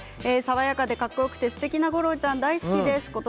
爽やかで、かっこよくてすてきな吾郎ちゃん大好きです。